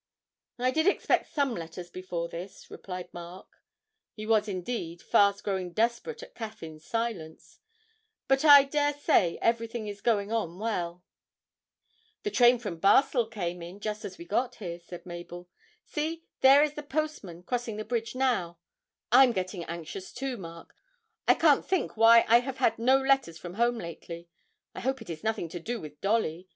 'I did expect some letters before this,' replied Mark (he was indeed fast growing desperate at Caffyn's silence); 'but I dare say everything is going on well.' 'The train from Basle came in just as we got here,' said Mabel. 'See, there is the postman crossing the bridge now; I'm getting anxious too, Mark, I can't think why I have had no letters from home lately. I hope it is nothing to do with Dolly.